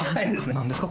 何ですか？